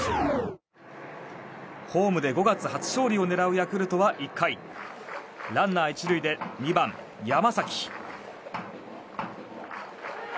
ホームで５月初勝利を狙うヤクルトは１回ランナー１塁で２番、山崎。